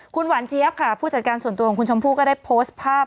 คุณหวานเจี๊ยบค่ะผู้จัดการส่วนตัวของคุณชมพู่ก็ได้โพสต์ภาพ